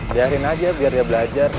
biarin aja biar dia belajar